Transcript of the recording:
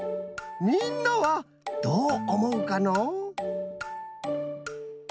みんなはどうおもうかのう？